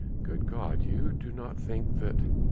"Good God! you do not think that...."